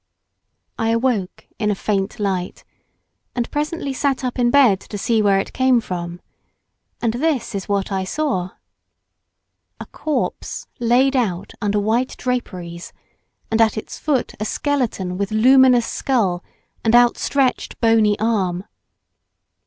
I awoke in a faint light, and presently sat up in bed to see where it came from, and this is what I saw. A corpse laid out under white draperies, and at its foot a skeleton with luminous skull and outstretched bony arm.